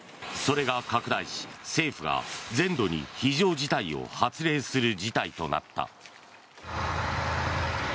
それが拡大し、政府が全土に非常事態を発令する事態となった。